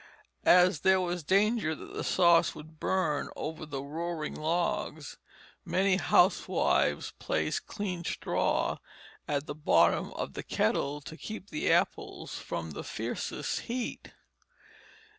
As there was danger that the sauce would burn over the roaring logs, many housewives placed clean straw at the bottom of the kettle to keep the apples from the fiercest heat.